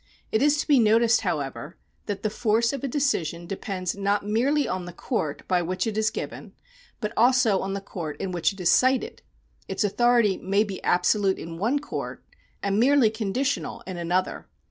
It is to be noticed, however, that the force of a decision depends not merely on the court by which it is given but also on the court in which it is cited. Its authority may be absolute in one coiu t, and merely conditional in another.